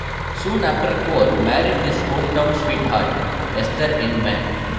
Soon after Cole married his hometown sweetheart, Esther Engman.